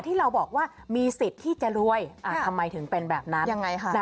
ที่เราบอกว่ามีสิทธิ์ที่จะรวยทำไมถึงเป็นแบบนั้น